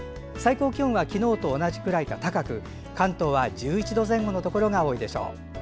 最高気温は昨日と同じくらいか高く関東は１１度前後のところが多いでしょう。